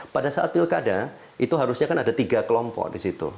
pada saat pilkada itu harusnya kan ada tiga kelompok di situ